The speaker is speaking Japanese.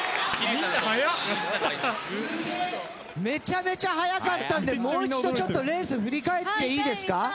めちゃめちゃ速かったんでもう一度レース振り返っていいですか？